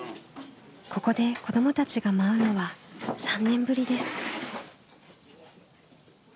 ここで子どもたちが舞うのは３年ぶりです。